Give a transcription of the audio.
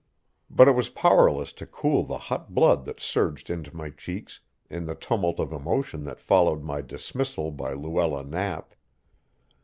But it was powerless to cool the hot blood that surged into my cheeks in the tumult of emotion that followed my dismissal by Luella Knapp.